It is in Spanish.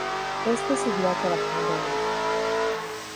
Éste seguirá trabajando en ella.